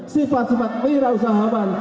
sifat sifat wira usahawan